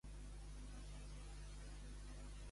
Trona de març, mal anirà.